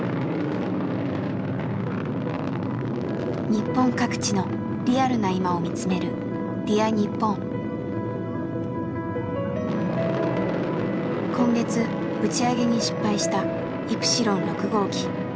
日本各地のリアルな今を見つめる今月打ち上げに失敗したイプシロン６号機。